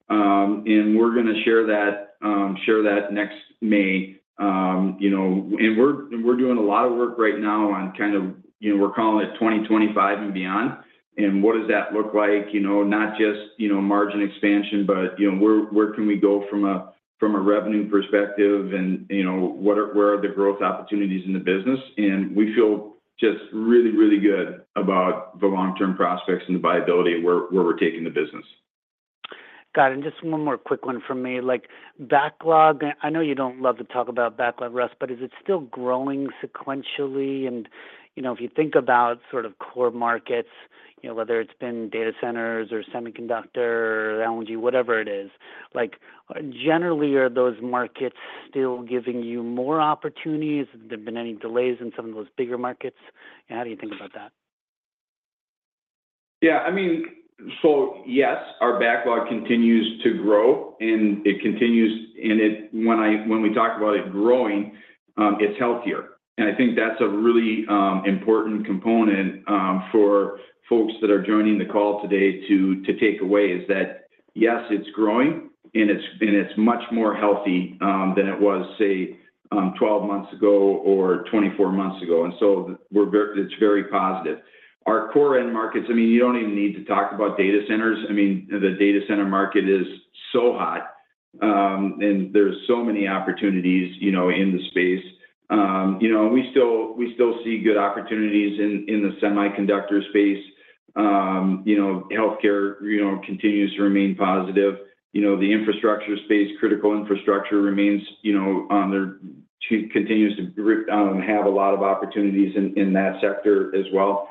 and we're going to share that next May. We're doing a lot of work right now on kind of, we're calling it 2025 and beyond. What does that look like? Not just margin expansion, but where can we go from a revenue perspective and where are the growth opportunities in the business? We feel just really, really good about the long-term prospects, and the viability of where we're taking the business. Got it. Just one more quick one from me. Backlog, I know you don't love to talk about backlog, Russ, but is it still growing sequentially? If you think about sort of core markets, whether it's been data centers or semiconductor or LNG, whatever it is, generally, are those markets still giving you more opportunities? Have there been any delays in some of those bigger markets? How do you think about that? Yeah. I mean, so yes, our backlog continues to grow. When we talk about it growing, it's healthier. I think that's a really important component for folks that are joining the call today to take away, is that, yes, it's growing, and it's much more healthy than it was say 12 months ago or 24 months ago, and so it's very positive. Our core end markets, I mean, you don't even need to talk about data centers. I mean, the data center market is so hot, and there's so many opportunities in the space. We still see good opportunities in the semiconductor space. Healthcare continues to remain positive. The infrastructure space, critical infrastructure remains and continues to have a lot of opportunities in that sector as well.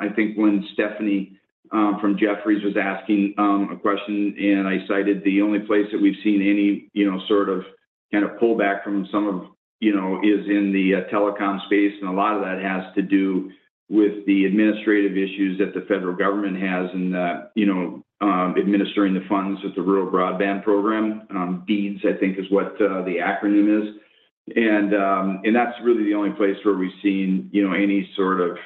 I think when Stephanie from Jefferies was asking a question, and I cited the only place that we've seen any sort of kind of pullback from some of it is in the telecom space. A lot of that has to do with the administrative issues that the federal government has in administering the funds with the rural broadband program. BEAD I think is what the acronym is, and that's really the only place where we've seen any sort of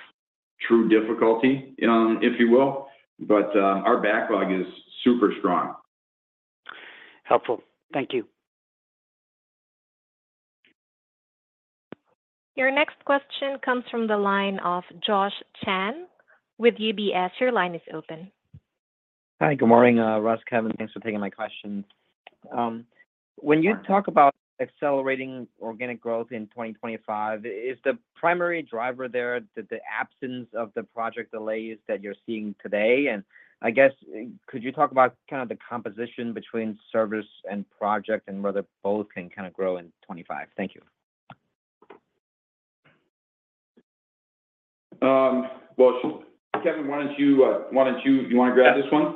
true difficulty, if you will, but our backlog is super strong. Helpful. Thank you. Your next question comes from the line of Josh Chan with UBS. Your line is open. Hi. Good morning, Russ, Kevin. Thanks for taking my question. When you talk about accelerating organic growth in 2025, is the primary driver there the absence of the project delays that you're seeing today? I guess, could you talk about kind of the composition between service and project, and whether both can kind of grow in 2025? Thank you. Kevin, do you want to grab this one?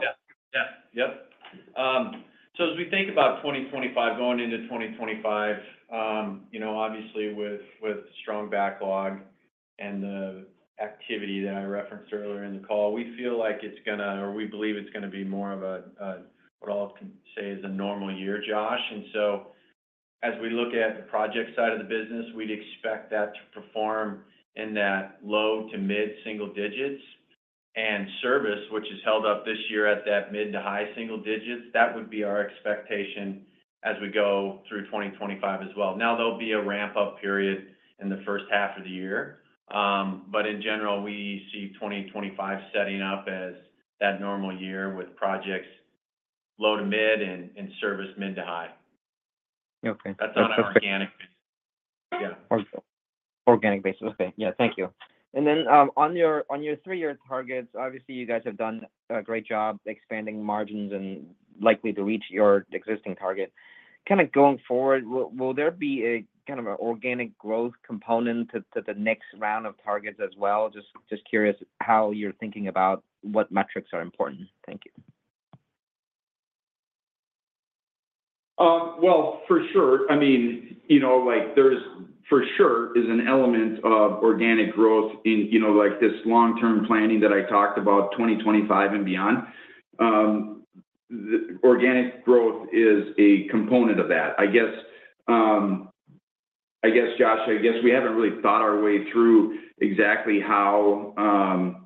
Yeah. As we think about 2025, going into 2025, obviously with strong backlog and the activity that I referenced earlier in the call, we believe it's going to be more of what I'll say is a normal year, Josh. As we look at the project side of the business, we'd expect that to perform in that low-to-mid-single digits. Service, which has held up this year at that mid to high single digits, that would be our expectation as we go through 2025 as well. Now, there'll be a ramp-up period in the first half of the year. In general, we see 2025 setting up as that normal year, with projects low to mid and service mid to high. Okay, perfect. That's on our organic basis. Yeah. Thank you. Then on your three-year targets, obviously you guys have done a great job expanding margins and likely to reach your existing target. Kind of going forward, will there be kind of an organic growth component to the next round of targets as well? Just curious how you're thinking about what metrics are important. Thank you. For sure. I mean, there for sure is an element of organic growth in this long-term planning that I talked about, 2025 and beyond. Organic growth is a component of that. I guess, Josh, we haven't really thought our way through exactly how.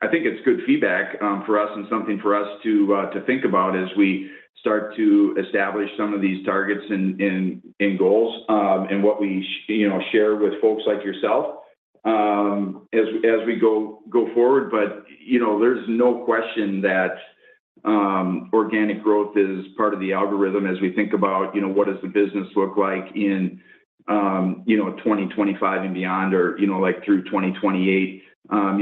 I think it's good feedback for us and something for us to think about as we start to establish some of these targets, and goals and what we share with folks like yourself as we go forward. There's no question that organic growth is part of the algorithm as we think about, what does the business look like in 2025, and beyond or through 2028?,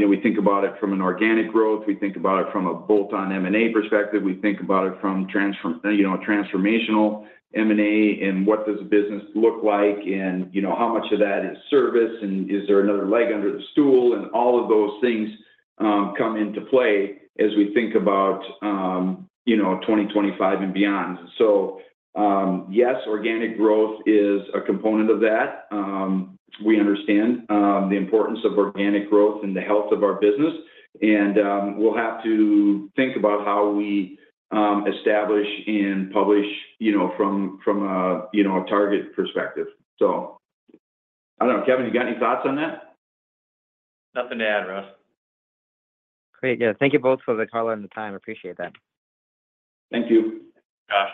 We think about it from an organic growth. We think about it from a bolt-on M&A perspective. We think about it from a transformational M&A, and what does the business look like and how much of that is service and is there another leg under the stool? All of those things come into play as we think about 2025 and beyond, so yes, organic growth is a component of that. We understand the importance of organic growth and the health of our business, and we'll have to think about how we establish and publish from a target perspective. I don't know. Kevin, you got any thoughts on that? Nothing to add, Russ. Great, yeah. Thank you both for the call and the time. Appreciate that. Thank you, Josh.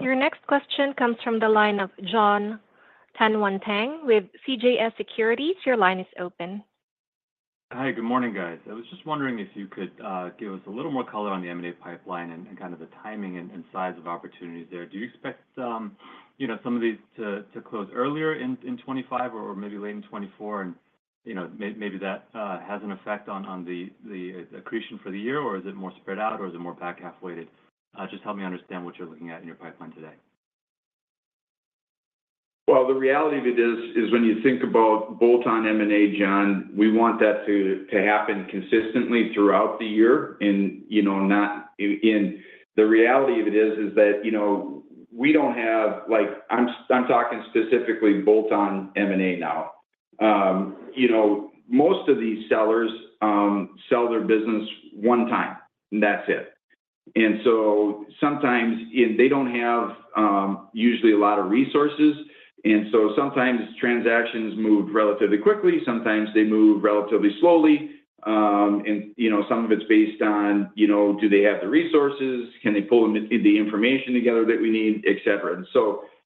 Your next question comes f,rom the line of Jon Tanwanteng with CJS Securities. Your line is open. Hi. Good morning, guys. I was just wondering if you could give us a little more color on the M&A pipeline, and kind of the timing and size of opportunities there. Do you expect some of these to close earlier in 2025 or maybe late in 2024, and maybe that has an effect on the accretion for the year, or is it more spread out, or is it more back halfway? Just help me understand what you're looking at in your pipeline today. The reality of it is, when you think about bolt-on M&A, Jon, we want that to happen consistently throughout the year. I'm talking specifically bolt-on M&A now. Most of these sellers sell their business one time and that's it, and so sometimes they don't have usually a lot of resources. Sometimes transactions move relatively quickly, sometimes they move relatively slowly and some of it's based on, do they have the resources? Can they pull the information together that we need, etc?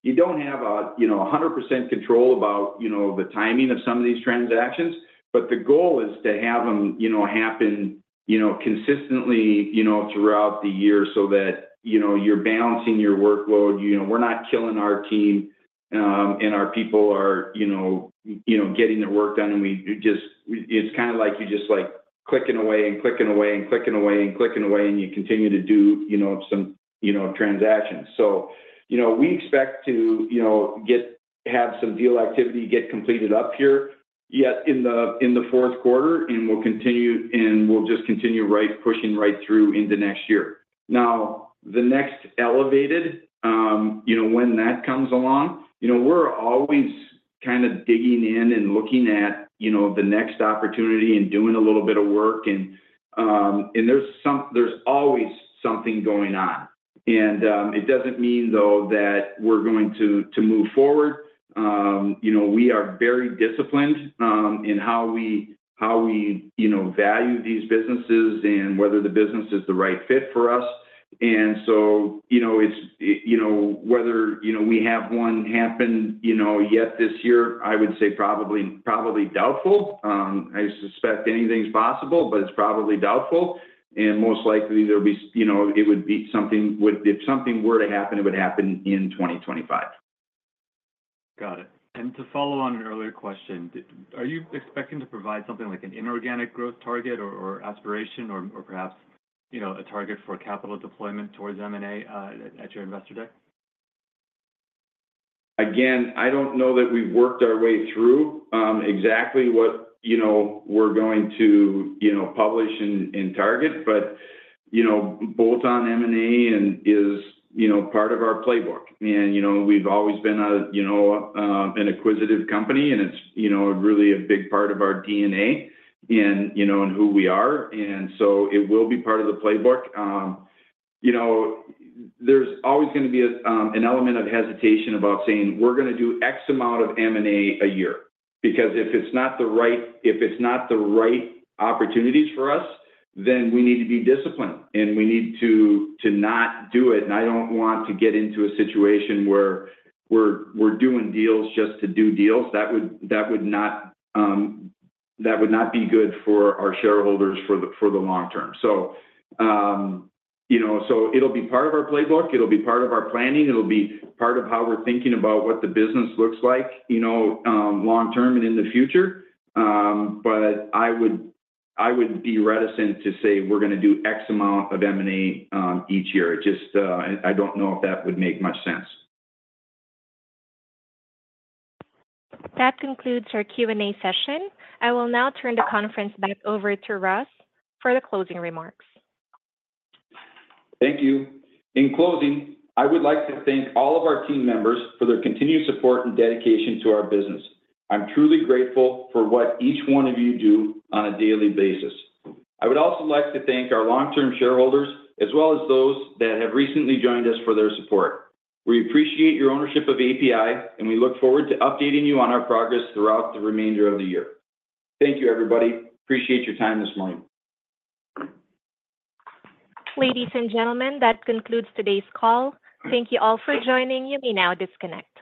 You don,'t have 100% control about the timing of some of these transactions. The goal is to have them happen consistently throughout the year, so that you're balancing your workload. We're not killing our team, and our people are getting their work done. It's kind of like you're just clicking away and clicking away, and clicking away and clicking away, and you continue to do some transactions. We expect to have some deal activity get completed up here yet in the fourth quarter, and and we'll just continue pushing right through into next year. Now, the next Elevated, when that comes along, we're always kind of digging in and looking at the next opportunity, and doing a little bit of work. There's always something going on. It doesn't mean though that we're going to move forward. We are very disciplined in how we value these businesses, and whether the business is the right fit for us. Whether we have one happen yet this year, I would say probably doubtful. I suspect anything's possible, but it's probably doubtful. Most likely, if something were to happen, it would happen in 2025. Got it. To follow on an earlier question, are you expecting to provide something like an inorganic growth target, or aspiration or perhaps a target for capital deployment towards M&A at your Investor Day? Again, I don't know that we've worked our way through exactly what we're going to publish in target, but bolt-on M&A is part of our playbook. We've always been an acquisitive company, and it's really a big part of our DNA and who we are. It will be part of the playbook. There's always going to be an element of hesitation about saying, "We're going to do X amount of M&A a year." Because if it's not the right opportunities for us, then we need to be disciplined and we need to not do it. I don't want to get into a situation where we're doing deals just to do deals. That would not be good for our shareholders for the long term, so it'll be part of our playbook. It'll be part of our planning. It'll be part of how we're thinking about what the business looks like long term, and in the future. I would be reticent to say, "We're going to do X amount of M&A each year." Just, I don't know if that would make much sense. That concludes our Q&A session. I will now turn the conference back over to Russ for the closing remarks. Thank you. In closing, I would like to thank all of our team members for their continued support, and dedication to our business. I'm truly grateful for what each one of you do on a daily basis. I would also like to thank our long-term shareholders, as well as those that have recently joined us for their support. We appreciate your ownership of APi, and we look forward to updating you on our progress throughout the remainder of the year. Thank you, everybody. Appreciate your time this morning. Ladies and gentlemen, that concludes today's call. Thank you all for joining. You may now disconnect.